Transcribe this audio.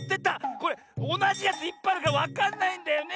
これおなじやついっぱいあるからわかんないんだよね。